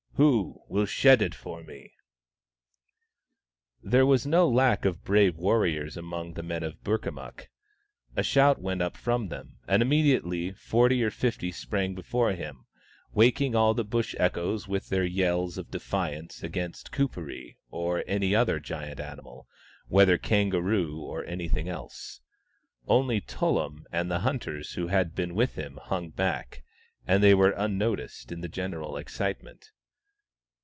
Who will shed it for me ?" There was no lack of brave warriors among the men of Burkamukk. A shout went up from them, and immediately forty or fifty sprang before him, waking all the Bush echoes with their yells of defiance against Kuperee or any other giant animal, whether S.A.B, B i8 THE STONE AXE OF BURKAMUKK kangaroo or anything else. Only Tullum and the hunters who had been with him hung back ; and they were unnoticed in the general excitement.